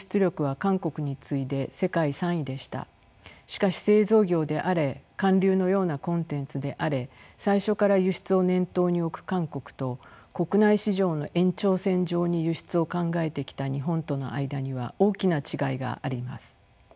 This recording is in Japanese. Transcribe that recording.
しかし製造業であれ韓流のようなコンテンツであれ最初から輸出を念頭に置く韓国と国内市場の延長線上に輸出を考えてきた日本との間には大きな違いがあります。